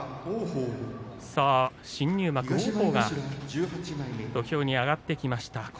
新入幕王鵬が土俵に上がってきました。